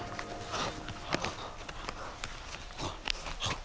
あっ。